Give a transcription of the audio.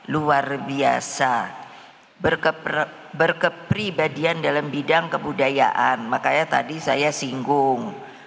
luar biasa berkepribadian dalam bidang kebudayaan makanya tadi saya singgung